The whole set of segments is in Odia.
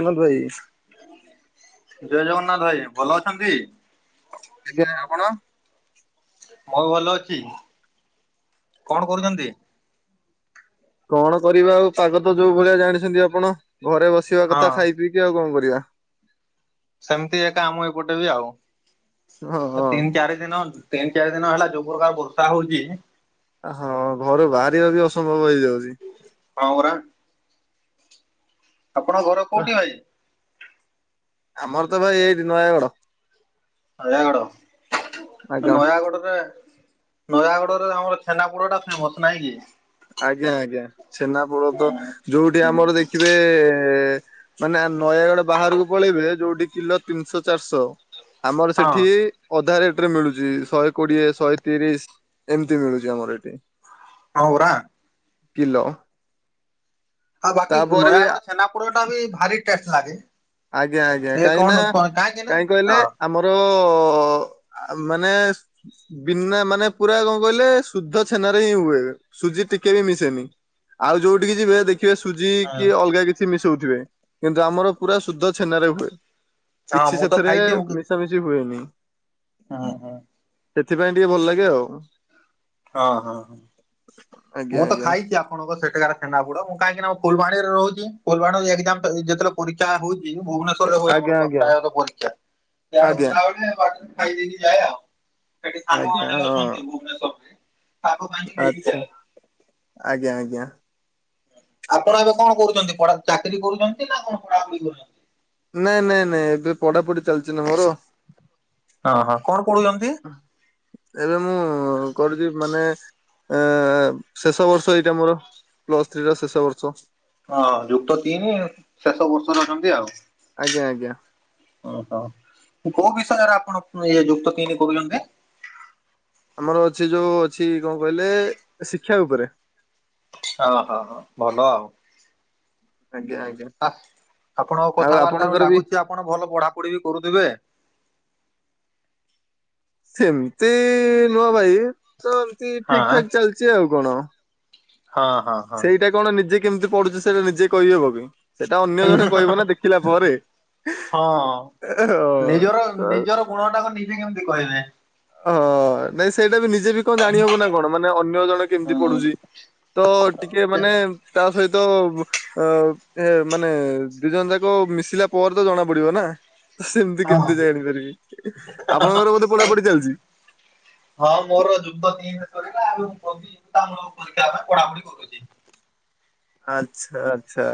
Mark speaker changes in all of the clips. Speaker 1: ବିନଦ ଭାଇ
Speaker 2: ଜୟ ଜଗନ୍ନାଥ ଭାଇ, ଭଲ ଅଛନ୍ତି।
Speaker 1: ଆଜ୍ଞା ଆପଣ।
Speaker 2: ମୁଁ ବି ଭଲ ଅଛି କଣ କରୁଛନ୍ତି।
Speaker 1: କଣ କରିବା ଆଉ ପାଗତ ଯୋଉ ଭଳିଆ ଜାଣିଛନ୍ତି ଆପଣ ଘରେ ବସିବା
Speaker 2: ହଁ
Speaker 1: କଥା ଖାଇ ପିଇକି ଆଉ କଣ କରିବା।
Speaker 2: ସେମିତି ଏକା ଆମ ଏପଟେ ବି ଆଉ
Speaker 1: ହଁ ହଁ
Speaker 2: ତିନି ଚାରି ଦିନ ତିନି ଚାରି ଦିନ ହେଲା ଯେଉଁ ପ୍ରକାର ବର୍ଷା ହଉଛି
Speaker 1: ହଁ ଘରୁ ବାହାରିବାବି ଅସମ୍ଭବ ହେଇଯାଉଛି।
Speaker 2: ହଁ ପରା। ଆପଣଙ୍କ ଘର କୋଉଠି ଭାଇ।
Speaker 1: ଆମ ଘର ତ ଭାଇ ଏଇଠି ନୟାଗଡ଼।
Speaker 2: ନୟାଗଡ
Speaker 1: ଆଜ୍ଞା
Speaker 2: ନୟାଗଡରେ ନୟାଗଡ଼ରେ ଆମର ଛେନାପୋଡ ଟା ଫେମସ ନାଇଁ କି?
Speaker 1: ଆଜ୍ଞା ଆଜ୍ଞା ଛେନାପୋଡ଼ ତ ଯୋଉଠି
Speaker 2: ହୁଁ।
Speaker 1: ଆମର ଦେଖିବେ ମାନେ ନୟାଗଡ ବାହାରକୁ ପଳେଇବେ ଯୋଉଠି କିଲୋ ତିନିଶହ ଚାରିଶହ ଆମର
Speaker 2: ହଁ।
Speaker 1: ସେଠି ଅଧା ରେଟରେ ମିଳୁଛି ଶହେ କୋଡିଏ ଶହେ ତିରିଶ ଏମିତି ମିଳୁଛି ଆମର ଏଠି।
Speaker 2: ହଁ ପରା।
Speaker 1: କିଲ।
Speaker 2: ଆଉ ବାକି
Speaker 1: ବି
Speaker 2: ନୟାଗଡ ଛେନାପୋଡଟା ବି ଭାରି ଟେଷ୍ଟ ଲାଗେ।
Speaker 1: ଆଜ୍ଞା ଆଜ୍ଞା
Speaker 2: ଏ
Speaker 1: କାହିଁକି
Speaker 2: କଣ
Speaker 1: ନା
Speaker 2: କଣ କାହିଁକି ନା
Speaker 1: କାହିଁ କହିଲେ
Speaker 2: ହଁ
Speaker 1: ଆମର ମାନେ। ବିନା ମାନେ ପୁରା କଣ କହିଲେ ଶୁଦ୍ଧ ଛେନାରେ ହିଁ ହୁଏ ସୁଜି ଟିକେବି ମିଶେନି। ଆଉ ଯୋଉଠିକି ଯିବେ ଦେଖି କି ସୁଜି
Speaker 2: ହଁ
Speaker 1: କିଅଲଗା କିଛି ମିଶଉଥିବେ କିନ୍ତୁ ଆମର ପୁରା ଶୁଦ୍ଧ ଛେନାରେ ହୁଏ।
Speaker 2: ହଁ
Speaker 1: କିଛି
Speaker 2: ମୁଁ ତ
Speaker 1: ସେଥିରେ
Speaker 2: ଖାଇଛି ମୁଁ
Speaker 1: ମିଶାମିଶି ହୁଏନି।
Speaker 2: ହଁ ହଁ।
Speaker 1: ସେଥିପାଇଁ ଟିକେ ଭଲ ଲାଗେ ଆଉ।
Speaker 2: ହଁ ହଁ ହଁ
Speaker 1: ଆଜ୍ଞା
Speaker 2: ମୁଁ ତ
Speaker 1: ଆଜ୍ଞା
Speaker 2: ଖାଇଛି ଆ ଆପଣଙ୍କ ସେଠାକାର ଚେନାପୁଡ ମୁଁ କାହିଁକିନା ମୁଁ ଫୁଲବାଣୀରେ ରହୁଛି ଫୁଲବାଣୀ ଏକ୍ଜାମ ଯେତବେଳେ ପରୀକ୍ଷା ହଉଛି ଭୁବନେଶ୍ୱର [unintelligible]
Speaker 1: ଆଜ୍ଞା
Speaker 2: ହୁଏ
Speaker 1: ଆଜ୍ଞା
Speaker 2: ଆମର [unintelligible] ପରୀକ୍ଷା
Speaker 1: ଆଜ୍ଞା
Speaker 2: [unintelligible] ବାଟରେ ଖାଇଦକି ଯାଏଆଉ। ସେଠି
Speaker 1: ଆଜ୍ଞା
Speaker 2: ସାଙ୍ଗମାନେ ଅଛନ୍ତି ଭୁବନେଶ୍ଵରରେ।
Speaker 1: ଆଛା ଆଜ୍ଞା ଆଜ୍ଞା।
Speaker 2: ଆପଣ ଏବେ କଣ କରୁଛନ୍ତି ଚାକିରି କରୁଛନ୍ତି ନା କଣ ପଢାପଢି କରୁଛନ୍ତି।
Speaker 1: ନାଇଁ ନାଇଁ ନାଇଁ ଏବେ ପଢାପଢି ଚାଲିଛି ନା ମୋର
Speaker 2: ହଁ ହଁ କଣ ପଢୁଛନ୍ତି?
Speaker 1: ଏବେ ମୁଁ କରିଛି ମାନେ। ଏ ଶେଷ ବର୍ଷ ଏଇଟା ମୋର ପ୍ଲସ ଥ୍ରୀ ର ଶେଷ ବର୍ଷ
Speaker 2: ହଁ ଯୁକ୍ତ ତିନି ଶେଷ ବର୍ଷରେ ଅଛନ୍ତି ଆଉ।
Speaker 1: ଆଜ୍ଞା ଆଜ୍ଞା।
Speaker 2: ଓହୋ କୋଉ ବିଷୟରେ ଆପଣ ଇଏ ଯୁକ୍ତ ତିନି କହୁଛନ୍ତି।
Speaker 1: ଆମର ଅଛି ଯୋଉ ଅଛି କଣ କହିଲେ ଶିକ୍ଷା ଉପରେ
Speaker 2: ହ ହଁ ହ ଭଲ ଆଉ
Speaker 1: ଆଜ୍ଞା ଆଜ୍ଞା
Speaker 2: ଆ ଆପଣଙ୍କ
Speaker 1: ଆଉ
Speaker 2: କଥାବାର୍ତ୍ତା ର
Speaker 1: ଆପଣଙ୍କର ବି
Speaker 2: ଲାଗୁଛି ଆପଣ ଭଲ ପଢାପଢି ବି କରୁଥିବେ।
Speaker 1: ସେମିତି ନୁହ ଭାଇ ତ ଏମତି
Speaker 2: ହଁ
Speaker 1: ଠିକ ଠାକ ଚାଲିଛି ଆଉ କଣ।
Speaker 2: ହଁ ହଁ। ହଁ
Speaker 1: ସେଇଟା କଣ ନିଜେ କେମିତି ପଡୁଛୁ ସେଇଟା ନିଜେ କହିହେବ କି? ସେଟା ଅନ୍ୟ ଜଣେ କହିବ ନା ଦେଖିଲା ପରେ ହଁ
Speaker 2: ନିଜର
Speaker 1: ତ
Speaker 2: ନିଜର ଗୁଣ ଟାକୁ ନିଜେ କେମିତି କହିବେ।
Speaker 1: ହ ନାଇଁ ସେଇଟା ବି ନିଜେ ବି କଣ ଜାଣି ହବ ନା କଣ ମାନେ ଅନ୍ୟ ଜଣେ
Speaker 2: ହଁ
Speaker 1: କେମିତି ପଢୁଛି। ତ ଟିକେ ମାନେ ତା ସହିତ ଅ ଏ ମାନେ ଦି ଜଣ ଯାକ ମିଶିଲା ପରେ ତ ଜଣା ପଡିବ ନା। ସେମିତି କେମିତି
Speaker 2: ହଁ
Speaker 1: ଯାଇ ଆଣିପାରିବି ଆପଣଙ୍କର ବୋଧେ ପଢାପଢି ଚାଲି
Speaker 2: ହଁ ମୋର ଯୁକ୍ତ ତିନି ସରିଲା ଆଗକୁ। [unintelligible] ତାପର ଆଉ ପରୀକ୍ଷା ହେଲା ପଡାପୁଡି କରୁଛି।
Speaker 1: ଆଛା ଆଛା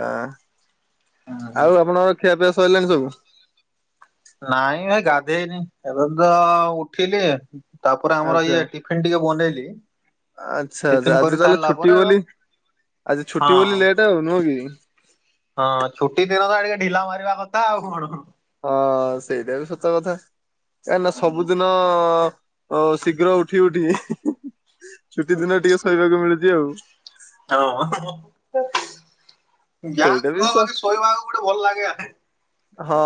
Speaker 1: ଆଉ ଆପଣଙ୍କର ଖିଆପିଆ ସରିଲାଣି ସବୁ।
Speaker 2: ନାଇଁ ଭାଇ ଗାଧେଇନି ଏବେ ତ ଉଠିଲି ତାପରେ ଆମର
Speaker 1: ଆଚ୍ଛା
Speaker 2: ଇଏ ଟିଫିନ ଟିକେ ବନେଇଲି।
Speaker 1: ଆଚ୍ଛା
Speaker 2: ଟିଫିନ
Speaker 1: ଆଚ୍ଛା
Speaker 2: କରି
Speaker 1: ଆଜି ତାହେଲେ
Speaker 2: ସାରିଲା
Speaker 1: ଛୁଟି
Speaker 2: ପରେ ହଁ
Speaker 1: ବୋଲି ଆଜି ଛୁଟି ବୋଲି ଲେଟ୍ ଆଉ ନୁହଁ କି।
Speaker 2: ହଁ ଛୁଟି ଦିନ ତ ଏଣିକେ ଢିଲା ମାରିବା କଥା ଆଉ କଣ।
Speaker 1: ହଁ ସେଇଟା ବି ସତ କଥା କାହିଁକି ନା ସବୁଦିନ। ତ ଶୀଘ୍ର ଉଠି ଉଠି ଛୁଟି ଦିନରେ ଟିକେ ଶୋଇିବାକୁ ମିଳୁଛି ଆଉ।
Speaker 2: ହଁ। ଜା
Speaker 1: ସେଇଟା ବି
Speaker 2: କହ
Speaker 1: ସ
Speaker 2: ଆଜି ଶୋଇବାକୁ ଗୋଟେ ଭଲ ଲାଗେ ହେଁ।
Speaker 1: ହଁ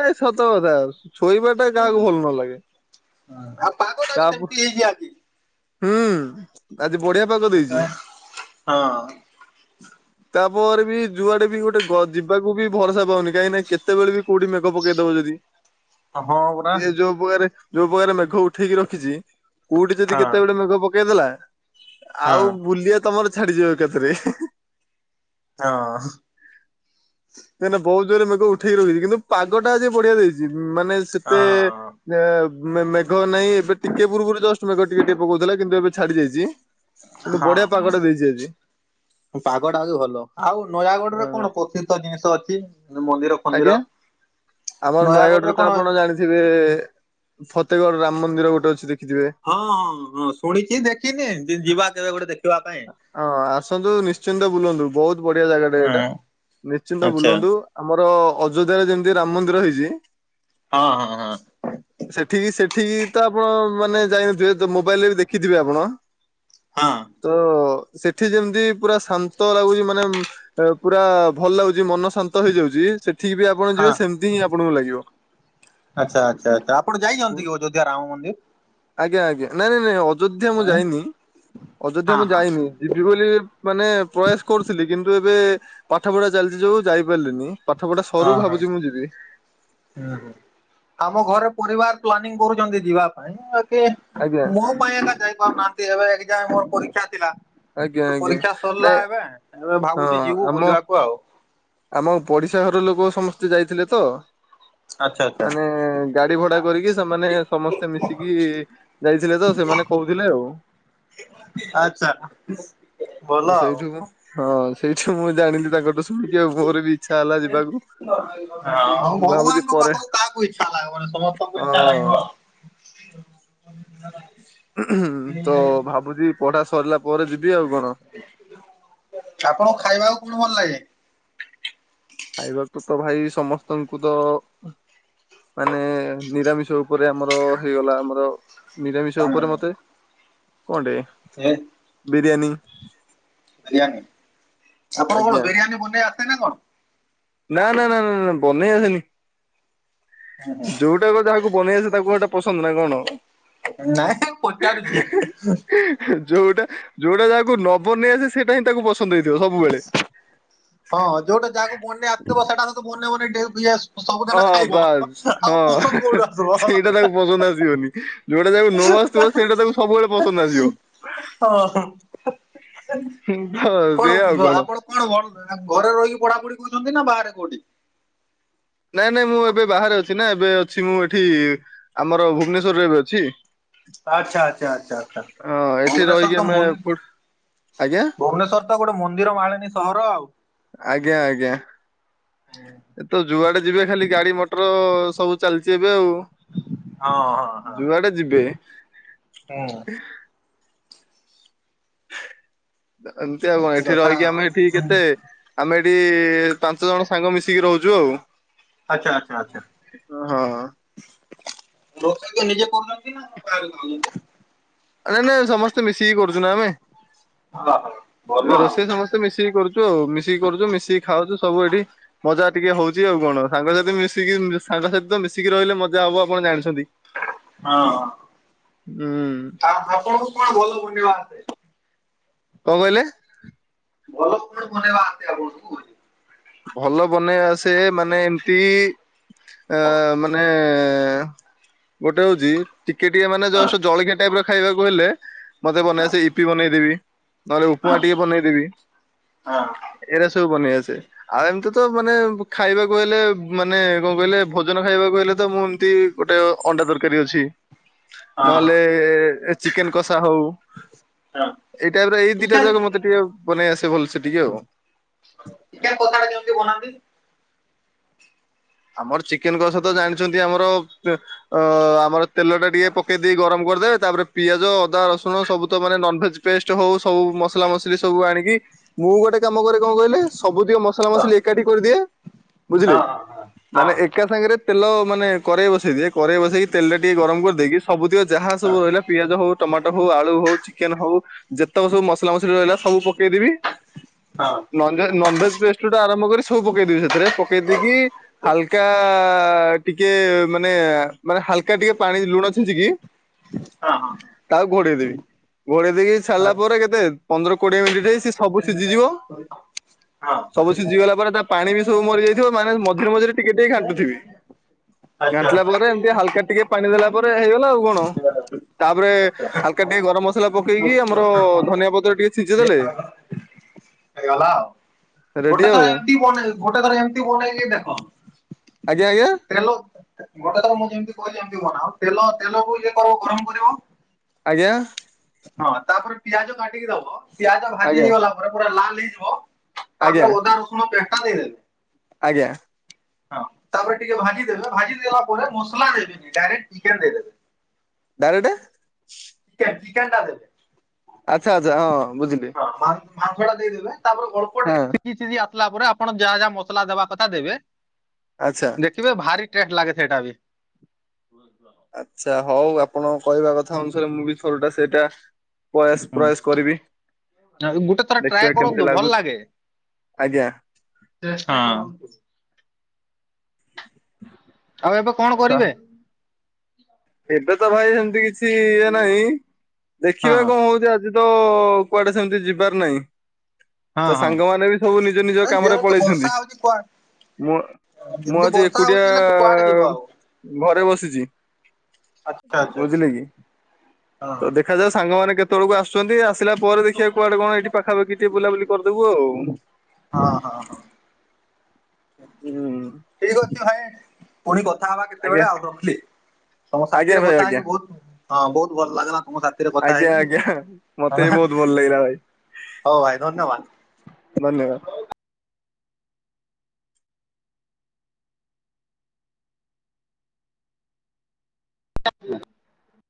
Speaker 1: ନାଇଁ ସତ କଥା ଶୋଇବା ଟା କାହାକୁ ଭଲ ନ ଲାଗେ।
Speaker 2: ହଁ ଆଉ ପାଗ ଟା
Speaker 1: ତା
Speaker 2: ବି ସେମିତି ହେଇଛି ଆଜି।
Speaker 1: ହୁଁ ଆଜି ବଢିଆ ପାଗ ଦେଇଛି।
Speaker 2: ସେଥିପାଇଁ ହଁ
Speaker 1: ତାପରେ ବି ଯୁଆଡେ ବି ଗୋଟେ ଗ ଯିବାକୁ ବି ଭରସା ପାଉନି କାହିଁକି କେତେବେଳେ ବି କଉଠି ମେଘ ପକେଇଦବ ଯଦି।
Speaker 2: ହଁ ପରା
Speaker 1: ସେ ଯୋଉ ପ୍ରକାର ଯୋଉ ପ୍ରକାର ମେଘ ଉଠେଇକି ରଖିଛି କୋଉଠି ଯଦି
Speaker 2: ହଁ ହଁ
Speaker 1: କେ ମେଘ ପକେଇଦେଲା ଆଉ ବୁଲିିବା ତମର ଛାଡିଯିବ ଏ କାଥେରେ।
Speaker 2: ହଁ।
Speaker 1: କାଇକିନା ବହୁତଜୋରେ ମେଘ ଉଠକି ରଖିଛି କିନ୍ତୁ ପାଗଟା ଆଜି ବଢିଆ ଦେଇଛି ମାନେ ସେତେ
Speaker 2: ହଁ
Speaker 1: ମେଘ ନାହିଁ ଏବେ ଟିକେ ପୂର୍ବରୁ ଜଷ୍ଟ ମେଘ ଟିକେ ଟିକେ ପକଉଥିଲା କିନ୍ତୁ ଏବେ ଛାଡି ଯାଇଛି। କିନ୍ତୁ ବଢିଆ ପାଗଟେ
Speaker 2: ହଁ
Speaker 1: ଦେଇଛି ଆଜି।
Speaker 2: ପାଗଟା ହଉଛି ଭଲ ଆଉ ନୟାଗଡରେ
Speaker 1: ହଁ
Speaker 2: କଣ ପ୍ରସିଦ୍ଧ ଜିନିଷ ଅଛି ମନ୍ଦିର ଫନ୍ଦିର
Speaker 1: ଆଜ୍ଞା ଆମର
Speaker 2: ନୟାଗଡରେ
Speaker 1: ନୟାଗଡ଼ରେ
Speaker 2: କଣ
Speaker 1: ତ ଆପଣ ଜାଣି ଥିବେ ଫତେଗଡ ରାମ ମନ୍ଦିର ଗୋଟେ ଅଛି ଦେଖିଥିବେ।
Speaker 2: ହଁ ହଁ ହଁ ଶୁଣିଛିି ଦେଖିନି ଯିବା କେବେ ଗୋଟେ ଦେଖିବା ପାଇଁ।
Speaker 1: ହଁ ଆସନ୍ତୁ ନିଶ୍ଚିନ୍ତ ବୁଲନ୍ତୁ ବହୁତ ବଢିଆ ଜାଗାଟା ଏଇଟା
Speaker 2: ହଁ
Speaker 1: ନିଶ୍ଚି
Speaker 2: ଆଚ୍ଛା
Speaker 1: ବୁଲନ୍ତୁ ଆମର ଅଯୋଧ୍ୟରେ ଯେମିତି ରାମ ମନ୍ଦିର ହେଇଛି।
Speaker 2: ହଁ ହଁ ହଁ।
Speaker 1: ସେଠିକି ସେଠିକି ତ ଆପଣ ମାନେ ଯାଇନଥିବେ ମୋବାଇଲରେ ବି ଦେଖିଥିବେ ଆପଣ।
Speaker 2: ହଁ।
Speaker 1: ତ ସେଠି ଯେମିତି ପୁରା ଶାନ୍ତ ଲାଗୁଛି ମାନେ ପୁରା ଭଲ ଲାଗୁ ଛି ମନ ଶାନ୍ତ ହେଇଯାଉଛି ସେଠିକି ବି ଆପଣ
Speaker 2: ହଁ
Speaker 1: ଯିବେ ସେମତି ହିଁ ଆପଣଙ୍କୁ ଲାଗିବ।
Speaker 2: ଆଚ୍ଛା ଆଚ୍ଛା ଆଛା ଆପଣ ଯାଇ ଯଛନ୍ତି କି ଅଯୋଧ୍ୟା ରାମ ମନ୍ଦିର୍।
Speaker 1: ଆଜ୍ଞା ଆଜ୍ଞା ନାଇଁ ନାଇଁ ନାଇଁ ଅଯୋଧ୍ୟା ମୁଁ ଯାଇନି ଅଯୋଧ୍ୟା
Speaker 2: ହଁ
Speaker 1: ମୁଁ
Speaker 2: ହଁ
Speaker 1: ଯାଇନି। ଯିବି ବୋଲି ମାନେ ପ୍ରୟାସ କରୁଥିଲି କିନ୍ତୁ ଏବେ ପାଠ ପଢା ଚାଲିଛି ଯୋଗୁ ଯାଇପାରିଲିନି। ପାଠପଢା ସରୁ
Speaker 2: ହଁ ହଁ
Speaker 1: ଭାବୁଛି ମୁଁ ଯିବି।
Speaker 2: ହୁଁ ହୁଁ ଆମ ଘରେ ପରିବାର ପ୍ଲାନିଂ କରୁଛନ୍ତି ଯିବା ପାଇଁ ବାକି
Speaker 1: ଆଜ୍ଞା
Speaker 2: ମୋ ପାଇଁ ଏକା ଯାଇପାରୁନାହାନ୍ତି ଏବେ ଏ [unintelligible] ମୋର ପରୀକ୍ଷା ଥିଲା।
Speaker 1: ଆଜ୍ଞା
Speaker 2: ତ
Speaker 1: ଆଜ୍ଞା
Speaker 2: ପରୀକ୍ଷା ସରିଲା
Speaker 1: ନାଇଁ
Speaker 2: ଏବେ। ଏବେ
Speaker 1: ହଁ
Speaker 2: ଭାବୁଛି ଯିବୁ
Speaker 1: ଆମ
Speaker 2: ବୁଲିବାକୁ ଆଉ।
Speaker 1: ଆମ ପଡିଶା ଘର ଲୋକ ସମସ୍ତେ ଯାଇଥିଲେ ତ।
Speaker 2: ଆଚ୍ଛା ଆଚ୍ଛା
Speaker 1: ମାନେ ଗାଡି ଭଡା କରିକି ସେମାନେ ସମସ୍ତେ ମିଶିକି ଯାଇଥିଲେ ତ ସେମାନେ କହୁଥିଲେ ଆଉ।
Speaker 2: ଆଚ୍ଛା
Speaker 1: ତ
Speaker 2: ଭଲ
Speaker 1: ସେଇଠୁ
Speaker 2: ଆଉ।
Speaker 1: ହଁ ସେଇଠୁ ମୁଁ ଜାଣିଲି ତାଙ୍କଠୁ ଶୁଣିକି। ଆଉ ମୋର ବି ଇଚ୍ଛା ହେଲା ଯିବାକୁ
Speaker 2: ହଁ
Speaker 1: ମୁଁ ଭାବୁଛି
Speaker 2: ଭଗବାନଙ୍କ
Speaker 1: ପରେ
Speaker 2: ପାଖକୁ କାହାକୁ ଇଚ୍ଛା ଲାଗିବ ନାହିଁ, ସମସ୍ତଙ୍କୁ ଇଚ୍ଛା ଲାଗିବ।
Speaker 1: ହଁ
Speaker 2: [inaudible]
Speaker 1: ଉଁହୁଁ ତ ଭାବୁଛି ପଢା ସରିଲା ପରେ ଯିବି ଆଉ କଣ।
Speaker 2: ଆପଣଙ୍କୁ ଖାଇବାକୁ କଣ ଭଲ ଲାଗେ?
Speaker 1: ଖାଇବାକୁ ତ ଭାଇ ସମସ୍ତଙ୍କୁ ତ ମାନେ ନିରାମିଷ ଉପରେ ଆମର ହେଇଗଲା ଆମର ନିରାମିଷ ଉପରେ ମତେ କଣ ଟେ
Speaker 2: ଏଁ
Speaker 1: ବିରିୟାନୀ
Speaker 2: ବିରିୟାନୀ। ଆପଣଙ୍କୁ
Speaker 1: ଆଜ୍ଞା
Speaker 2: କଣ ବିରିୟାନୀ ବନେଇ ଆସେ ନା କଣ?
Speaker 1: ନା ନା ନା ନା ନା ନା ବନେଇ ଆସେନି। ଯୋଉ ଟା କଣ ଯାହାକୁ ବନେଇ ଆସେ ତାକୁ କଣ ସେଇଟା ପସନ୍ଦ ନାଁ କଣ?
Speaker 2: ନାଇଁ ମୁଁ ପଚାରୁଛି।
Speaker 1: ଯୋଉଟା ଯୋଉଟା ଯାହାକୁ ନ ବନେଇ ଆସେ ସେଇଟା ହିଁ ତାକୁ ପସ୍ ନ୍ଦ ହେଇଥିବ ସବୁବେଳେ।
Speaker 2: ହଁ ଯୋଉଟା ଯାହାକୁ ବନେଇ ଆସୁଥିବ ସେଇଟା ତ ସେ ବନେଇ ବନେଇ ଡେଲ୍ ୟସ୍
Speaker 1: ହଁ ବାସ୍ ହଁ ହେଁ ହେଁ
Speaker 2: କୋଉଠୁ ଆସିବ
Speaker 1: ସେଇଟା ତାକୁ ପସନ୍ଦ ଆସିବନି। ଯୋଉଟା ଯାହାକୁ ନ ଆସୁଥିବ ସେଇଟା ତାକୁ ସବୁବେଳେ ପସନ୍ଦ ଆସିବ।
Speaker 2: [unintelligible]
Speaker 1: ତ
Speaker 2: କଣ
Speaker 1: ସେଇଆ ଆଉ
Speaker 2: ବ ଆପଣ କଣ [unintelligible] ଘରେ ରହିକି ପଢାପଢି କରୁଛନ୍ତି ନା ବାହାରେ କୋଉଠି?
Speaker 1: ନାଇଁ ନାଇଁ ମୁଁ ଏବେ ବାହାରେ ଅଛି ନା। ଏବେ ଅଛି ମୁଁ ଏଠି ଆମର ଭୁବନେଶ୍ୱରରେ ଏବେ ଅଛି।
Speaker 2: ଆଚ୍ଛା ଆଚ୍ଛା ଆଚ୍ଛା ଆଚ୍ଛା
Speaker 1: ହଁ ଏଠି
Speaker 2: ଭୁବନେଶ୍ୱର
Speaker 1: ରହିକି
Speaker 2: ତ
Speaker 1: ଆମେ
Speaker 2: ମୁନ୍
Speaker 1: ଫୁଡ୍ ଆଜ୍ଞା
Speaker 2: ଭୁବନେଶ୍ଵର ତ ଗୋଟେ ମନ୍ଦିର ମାଳେନୀ ସହର ଆଉ।
Speaker 1: ଏଠି ତ ଯୁଆଡେ ଯିବେ ଖାଲି ଗାଡି ମଟର ସବୁ ଚାଲିଛି ଏବେ ଆଉ।
Speaker 2: ହଁ ହଁ ହଁ।
Speaker 1: ଯୁଆଡେ ଯିବେ।
Speaker 2: ହୁଁ
Speaker 1: ଏମିତି ଆଉ କଣ ଏଇଠି
Speaker 2: କଥା
Speaker 1: ରହିକି
Speaker 2: ଆଉ
Speaker 1: ଆମେ ଏଇଠି କେତେ ଆମେ ଏଇଠି ପାଞ୍ଚ ଜଣ ସାଙ୍ଗ ମିଶିକି ରହୁଛୁ ଆଉ।
Speaker 2: ଆଚ୍ଛା ଆଚ୍ଛା ଆଚ୍ଛା।
Speaker 1: ହଁ।
Speaker 2: ରୋଷଇ [unintelligible] ନିଜେ କରୁଛନ୍ତି ନା ବାହାରୁ ଖାଉଛନ୍ତି?
Speaker 1: ଆରେ ନାଇଁ ସମସ୍ତେ ମିଶିକି କରୁଛୁ ନା ଆମେ।
Speaker 2: [unintelligible] ହଁ
Speaker 1: ରୋଷେଇ ସମସ୍ତେ ମିଶିକି କରୁଛୁ ଆଉ। ମିଶିକି କରୁଛୁ, ମିଶିକି ଖାଉଛୁ ସବୁ ଏଇଠି ମଜା ଟିକେ ହଉଛି ଆଉ କଣ। ସାଙ୍ଗସାଥି ମିଶିକି ସାଙ୍ଗସାଥି ତ ମିଶିକି ରହିଲେ ମଜା ହବ ଆପଣ ଜାଣିଛନ୍ତି।
Speaker 2: ହଁ
Speaker 1: ହୁଁ କଣ
Speaker 2: ଆ-ଆପଣଙ୍କୁ କଣ ଭଲ ବନେଇବା ଆସେ?
Speaker 1: କଣ କହିଲେ?
Speaker 2: ଭଲ କଣ ବନେଇବା? [unintelligible]
Speaker 1: ଭଲ ବନେଇବାସେ ମାନେ ଏମତି ଅ-ମାନେ-ଏ ଗୋଟେ ହଉଛି ଟିକେ ଟିକେ ମାନେ
Speaker 2: ହଁ
Speaker 1: ଜଷ୍ଟ୍ ଜଳଖିଆଁ ଟାଇପ୍ ର ଖାଇବାକୁ ହେଲେ ମତେ ବନେଇ
Speaker 2: ହଁ।
Speaker 1: ଆସ ଇପି ବନେଇଦେବି, ନହେଲେ ଉପମା ଟିକେ
Speaker 2: ଚିକେନ
Speaker 1: ବନେଇଦେବି। ଏଇରା ସବୁ ବନେଇଆସେ। ଆଉ ଏମିତି ତ ମାନେ ଖାଇବାକୁ ହେଲେ ମାନେ କଣ କହିଲେ ଭୋଜନ ଖାଇବାକୁ ହେଲେ ତ ମୁଁ ଏମତି ଗୋଟେ ଅଣ୍ଡା ତରକାରୀ ଅଛି। ନହେଲେ ଚିକେନ କଷା ହଉ। ଏଇ ଟାଇପ୍ ରେ ଏଇ ଦିଇଟା ଯାକ
Speaker 2: ଚିକେନ
Speaker 1: ମତେ ଟିକେ ବନେଇ ଆସେ ଭଲସେ ଟିକେ ଆଉ।
Speaker 2: ଚିକେନ କଷା ଟା କେମିତି ବନାନ୍ତି?
Speaker 1: ଆମର ଚିକେନ କସା ତ ଜାଣିଛନ୍ତି ଆମର ତ୍ ଅ ଆମର ତେଲ ଟା ଟିକେ ପକେଇ ଦେଇ ଗରମ କରିଦେବେ, ତାପରେ ପିଆଜ ଅଦା ରସୁଣ ସବୁ ତ ମାନେ ନନ୍ ଭେଜ ପେଷ୍ଟ ହଉ ସବୁ ମସଲା ମସଲି ସବୁ ଆଣିକି ମୁଁ ଗୋଟେ କାମ କରେ କଣ କହିଲେ ସବୁତିକ ମସଲା ମସଲି ଏକାଠି କରିଦିଏ, ବୁଝିଲେ?
Speaker 2: ହଁ ହଁ
Speaker 1: ମାନେ ଏକା ସାଙ୍ଗରେ ତେଲ ମାନେ କରେଇ ବସେଇ ଦିଏ, କରେଇ ବସେଇ ତେଲ ଟିକେ ଗରମ କରିଦେଇକି ସବୁତିକ ଯାହା ସବୁ ରହିଲା ପିଆଜ ହଉ, ଟମାଟୋ ହଉ, ଆଳୁ ହଉ, ଚିକେନ ହଉ ଯେତେକ ସବୁ ମସଲା ମସଲି ରହିଲା ସବୁ ପକେଇଦେବି ନନ୍ ନନଭେଜ୍ ପେଷ୍ଟ ଠୁଁ ଆରମ୍ଭ କରି ସବୁ ପକେଇଦବି ସେଥିରେ ପକେଇ ଦେଇକି ହାଲକା ଟିକେ ମାନେ ମାନେ ହାଲକା ଟିକେ ପାଣି ଲୁଣ ଛିଞ୍ଚିକି ତାକୁ ଘୋଡେଇଦେବି ଘୋଡେଇ ଦେଇକି ସାରିଲା ପରେ କେତେ ପନ୍ଦର କୋଡିଏ ମିନିଟ୍ ହେଇ ସେ ସବୁ ସିଝିଯିବ ସବୁ ସିଝି ଗଲା ପରେ ତା ପାଣି ବି ସବୁ ମରି ଯାଇଥିବ ମାନେ ମଝିରେ ମଝିରେ ଟିକେ ଟିକେ ଘାଣ୍ଟୁଥିବି
Speaker 2: ଆଚ୍ଛା
Speaker 1: ଘାଣ୍ଟିଲା ପରେ ଏମିତି ହାଲକା ଟିକେ ପାଣି ଦେଲା ପରେ ହେଇଗଲା, ଆଉ କଣ। ତାପରେ ହାଲକା ଟିକେ ଗରମ ମସଲା ପକେଇକି ଆମର ଧନିଆ ପତ୍ର ଟିକେ ଛିଞ୍ଚିଦେଲେ
Speaker 2: ହେଇଗଲା ଆଉ,
Speaker 1: ରେଡି
Speaker 2: ଗୋଟେ
Speaker 1: ଆଉ।
Speaker 2: ଥର ଏମତି ବନେଇ ଗୋଟେ ଥର ଏମିତି ବନେଇକି ଦେଖ।
Speaker 1: ଆଜ୍ଞା ଆଜ୍ଞା।
Speaker 2: ତେଲ ଗୋଟେ ଥର ମୁଁ ଯେମିତି କହିିବି ସେମିତି ବନାଅ, ଆଉ ତେଲ ତେଲକୁ ଇଏ କରିବ ଗରମ କରିବ।
Speaker 1: ଆଜ୍ଞା।
Speaker 2: ହଁ ତାପରେ ପିଆଜ କାଟିକି ଦବ ପିଆଜ ଭାଜି
Speaker 1: ଆଜ୍ଞା
Speaker 2: ହେଇଗଲା ପରେ ପୁରା ଲାଲ ହେଇଯିବ।
Speaker 1: ଆଜ୍ଞା
Speaker 2: ତାପରେ ଅଦା ରସୁଣ ପେଟା ଦେଇଦେବେ।
Speaker 1: ଆଜ୍ଞା।
Speaker 2: ହଁ ତାପରେ ଟିକେ ଭାଜି ଦେବେ ଭାଜି ଦେଲା ପରେ ମସଲା ଦେବେନି ଡାଇରେକ୍ଟ ଚିକେନ ଦେଇଦେବେ।
Speaker 1: ଡାଇରେକ୍ଟେ?
Speaker 2: ଚିକେନ୍ ଟା ଦେବେ।
Speaker 1: ଆଚ୍ଛା ଆଚ୍ଛା ହଁ ହଁ ବୁଝିଲି।
Speaker 2: ହଁ ମା-ମାଂସ ଟା ଦେଇଦେବେ, ତାପରେ ଅଳ୍ପ
Speaker 1: ହଁ
Speaker 2: ଟିକେ କି ଶିଝି ଆସିଲା ପରେ ଆପଣ ଯାହା ଯାହା ମସଲା ଦେବା କଥା ଦେବେ
Speaker 1: ଆଚ୍ଛା।
Speaker 2: ଦେଖିବେ ଭାରି ଟେଷ୍ଟ ଲାଗେ ସେଇଟା ବି। ହୁଁ
Speaker 1: ଆଚ୍ଛା ହଉ ଆପଣଙ୍କ କହିବା କଥା ଅନୁସାରେ ମୁଁ ବି ଥରଟା ସେଇଟା ପ୍ରୟାସ ପ୍ରୟାସ କରିବି।
Speaker 2: ଗୋଟେ ଥର ଟ୍ରାଏ
Speaker 1: ଦେଖିବା କେମିତି
Speaker 2: କରନ୍ତୁ ଭଲ
Speaker 1: ଲାଗୁଛି
Speaker 2: ଲାଗେ।
Speaker 1: ଆଜ୍ଞା।
Speaker 2: ହଁ ଆଉ ଏବେ କଣ
Speaker 1: ଆଚ୍ଛା।
Speaker 2: କରିବେ?
Speaker 1: ଏବେ ତ ଭାଇ ସେମିତି କିଛି ଇଏ ନାହିଁ,
Speaker 2: ହଁ
Speaker 1: ଦେଖିବା କଣ ହଉଛି ଆ ଆଜି ତ କୁଆଡେ ସେମିତି ଯିବାର ନାହିଁ।
Speaker 2: ହଁ
Speaker 1: ତା
Speaker 2: ହଁ।
Speaker 1: ସାଙ୍ଗମାନେ ବି ସବୁ ନିଜ ନିଜ କାମରେ
Speaker 2: ଯେହେତୁ ବର୍ଷା
Speaker 1: ପଳେଇଛନ୍ତି।
Speaker 2: ହଉଛି କୁଆଡେ
Speaker 1: ମୁଁ ମୁଁ
Speaker 2: ଯେମିତି
Speaker 1: ଆଜି
Speaker 2: ବର୍ଷା ହଉଛି
Speaker 1: ଏକୁଟିଆ
Speaker 2: ହେଲେ କୁଆଡେ ଯିବ ଆଉ।
Speaker 1: ଘରେ ବସିଛି।
Speaker 2: ଆଚ୍ଛା ଆଚ୍ଛା
Speaker 1: ବୁଝିଲେ କି
Speaker 2: ହଁ
Speaker 1: ତ ଦେଖାଯାଉ ସାଙ୍ଗ ମାନେ କେତେବେଳକୁ ଆସୁଛନ୍ତି ଆସିଲା ପରେ ଦେଖିବା କୁଆଡେ କଣ ଏଠି ପାଖାପାଖି ଟିକେ ବୁଲାବୁଲି କରିଦବୁ ଆଉ
Speaker 2: ହଁ ହଁ ହଁ
Speaker 1: ହୁଁ
Speaker 2: ଠିକ ଅଛି ଭାଇ ପୁଣି କଥାହବା
Speaker 1: ଆଜ୍ଞା।
Speaker 2: କେତେବେଳେ ଆଉ ରଖିଲି ତମ
Speaker 1: ଆଜ୍ଞା
Speaker 2: ସାଥିରେ
Speaker 1: ଭାଇ
Speaker 2: କଥା
Speaker 1: ଆଜ୍ଞା
Speaker 2: ହେଇକି ବହୁତ ହଁ ବହୁତ ଭଲ ଲାଗିଲା। ତମ ସାଥିରେ କଥା
Speaker 1: ଆଜ୍ଞା
Speaker 2: ହେଇକି।
Speaker 1: ଆଜ୍ଞା ମତେ ବି
Speaker 2: ହଉ
Speaker 1: ବହୁତ ଭଲ ଲାଗିଲା ଭାଇ
Speaker 2: ଭାଇ ଧନ୍ୟବାଦ।
Speaker 1: ଧନ୍ୟବାଦ
Speaker 2: [inaudible]